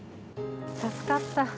助かった。